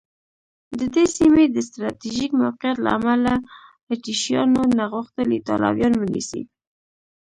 د دې سیمې د سټراټېژیک موقعیت له امله اتریشیانو نه غوښتل ایټالویان ونیسي.